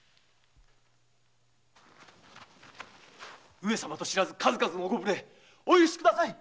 上様と知らず数々のご無礼お許しください！